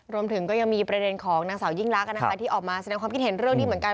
รวมถึงก็ยังมีประเด็นของนางสาวยิ่งลักษณ์ที่ออกมาแสดงความคิดเห็นเรื่องนี้เหมือนกัน